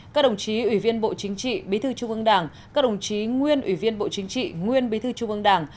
các đồng chí ủy viên bộ chính trị bí thư trung ương đảng các đồng chí nguyên ủy viên bộ chính trị nguyên bí thư trung ương đảng